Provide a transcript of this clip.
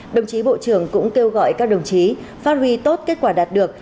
đồng chí bộ trưởng cũng kêu gọi các đồng chí phát huy tốt kết quả đạt được